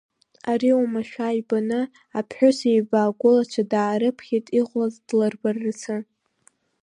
Ари уамашәа ибаны, аԥҳәысеиба агәылацәа даарыԥхьеит иҟалаз длырбарацы.